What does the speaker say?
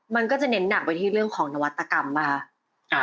มันก็จะเน้นหนักไปที่เรื่องของนวัตกรรมป่ะคะ